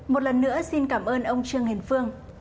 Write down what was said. một lần nữa xin cảm ơn ông trương hiền phương